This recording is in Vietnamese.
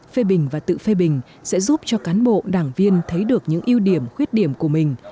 phê bình và tự phê bình sẽ giúp cho cán bộ đảng viên thấy được những ưu điểm khuyết điểm của mình